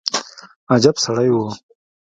عجب سړى و.